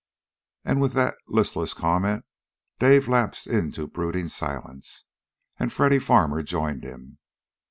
And with that listless comment Dave lapsed into brooding silence, and Freddy Farmer joined him.